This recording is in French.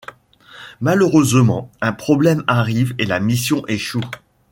Malheureusement, un problème arrive et la mission échoue.